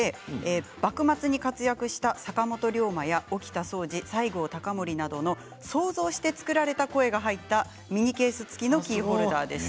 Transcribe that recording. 幕末に活躍した坂本竜馬や沖田総司、西郷隆盛などの想像して作られた声が入ったミニケース付きのキーホルダーでした。